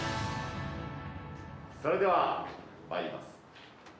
それではまいります。